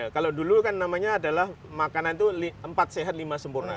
kalau dulu kan namanya adalah makanan itu empat sehat lima sempurna